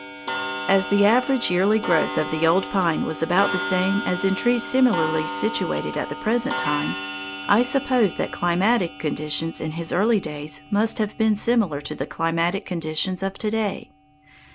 As the average yearly growth of the old pine was about the same as in trees similarly situated at the present time, I suppose that climatic conditions in his early days must have been similar to the climatic conditions of to day.